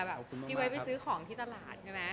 พี่ไว้ไปซื้อของที่ตลาด